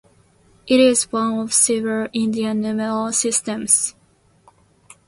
It is one of several Indian numeral systems.